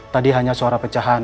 tadi hanya suara pecahan